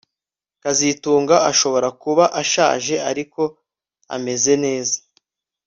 kazitunga ashobora kuba ashaje ariko ameze neza